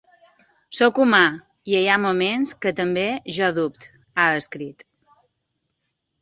Sóc humà i hi ha moments que també jo dubto, ha escrit.